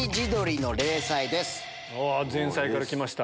前菜から来ました！